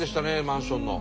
マンションの。